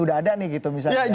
udah ada nih gitu misalnya